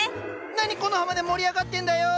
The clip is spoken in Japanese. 何コノハまで盛り上がってんだよ！